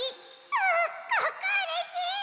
すっごくうれしい！